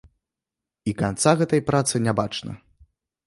І канца гэтай працы не бачна.